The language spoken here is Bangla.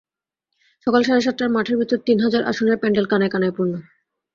সকাল সাড়ে সাতটায় মাঠের ভেতরে তিন হাজার আসনের প্যান্ডেল কানায় কানায় পূর্ণ।